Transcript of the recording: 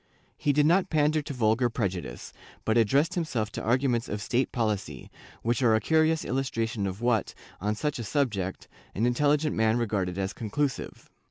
He did not pander to vulgar prejudice, but addressed himself to arguments of state policy, which are a curious illustration of what, on such a subject, an intelligent man regarded as conclusive.